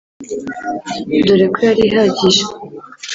dore ko yari ihagije